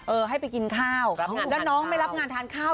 ให้ไปกินข้าวแล้วน้องไม่รับงานทานข้าว